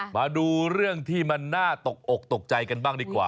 มาดูเรื่องที่มันน่าตกอกตกใจกันบ้างดีกว่า